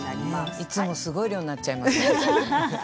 いつもたくさんになっちゃいます。